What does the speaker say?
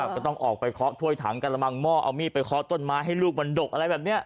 ทราบต้องคอบถ้วยถังกระลำงหม้อเอามีไปคอบต้นไม้ให้รูปมันดกอะไรแบบเนี่ย